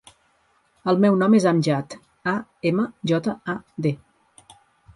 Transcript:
El meu nom és Amjad: a, ema, jota, a, de.